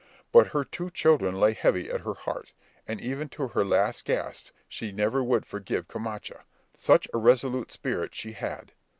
But her two children lay heavy at her heart, and even to her last gasp she never would forgive Camacha, such a resolute spirit she had.